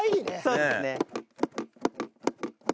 そうですね。